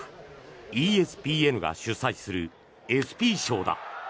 ＥＳＰＮが主催するＥＳＰＹ賞だ。